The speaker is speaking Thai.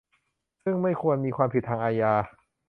ซึ่งไม่ควรมีความผิดทางอาญา